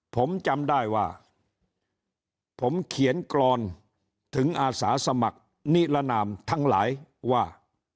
ผมจำได้ว่าผมเขียนกรอนถึงอาสาสมัครนิรนามทั้งหลายว่า